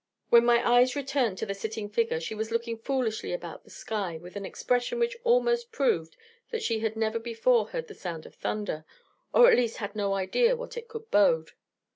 When my eyes returned to the sitting figure, she was looking foolishly about the sky with an expression which almost proved that she had never before heard that sound of thunder, or at least had no idea what it could bode.